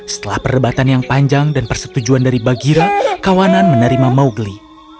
setelah perdebatan yang panjang dan persetujuan dari bagira kawanan menerima mowgli